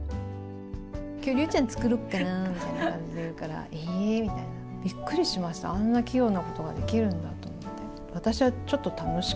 きょう、竜ちゃん作ろっかなーみたいな感じで言うので、びっくりしました、あんな器用なことができるんだと思って。